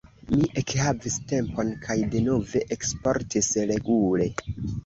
Mi ekhavis tempon kaj denove eksportis regule.